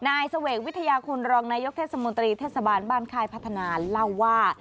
นายเสวกวิทยาคุณรองนายกเทศมนตรีเทศบาลบ้านค่ายพัฒนาเล่าว่า